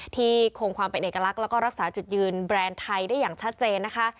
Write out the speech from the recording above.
คงความเป็นเอกลักษณ์แล้วก็รักษาจุดยืนแบรนด์ไทยได้อย่างชัดเจนนะคะ